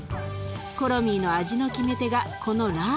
コロミーの味の決め手がこのラードなの。